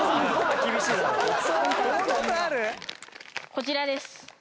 こちらです。